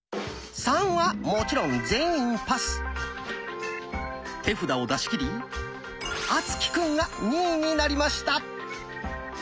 「３」はもちろん手札を出し切り敦貴くんが２位になりました。